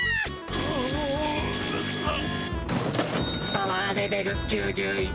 「パワーレベル９１」。